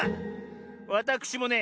わたくしもね